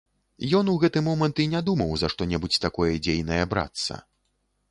Ён у гэты момант і не думаў за што-небудзь такое дзейнае брацца.